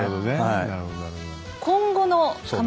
なるほどね。